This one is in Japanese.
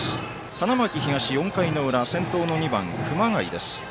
花巻東、４回の裏先頭の２番、熊谷です。